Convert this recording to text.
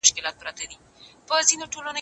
زه هره ورځ د سبا لپاره د هنرونو تمرين کوم!